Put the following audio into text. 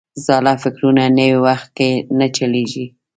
زاړه فکرونه نوي وخت کې نه چلیږي.